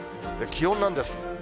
気温なんです。